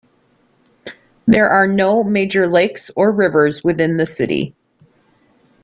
There are no major lakes or rivers within the city.